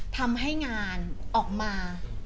ทำให้งานออกมา